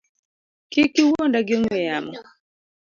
Kik iwuonda gi ong’we yamo